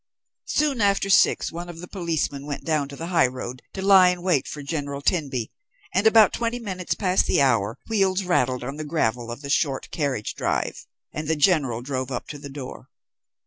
Soon after six one of the policemen went down to the high road to lie in wait for General Tenby, and about twenty minutes past the hour wheels rattled on the gravel of the short carriage drive, and the General drove up to the door.